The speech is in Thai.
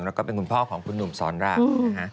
แล้วก็เป็นคุณพ่อของคุณหนุ่มสอนรามนะฮะ